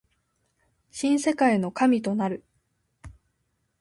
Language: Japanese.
新世界の神となる